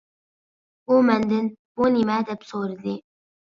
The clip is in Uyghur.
ئۇ مەندىن «-بۇ نېمە» دەپ سورىدى.